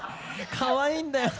かわいいんだよな。